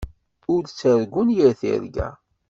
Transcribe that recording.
Ur ttargun yir tirga.